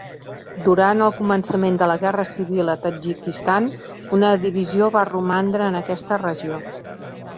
Durant el començament la Guerra Civil a Tadjikistan una divisió va romandre en aquesta regió.